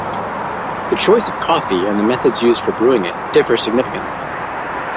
The choice of coffee and the methods used for brewing it differ significantly.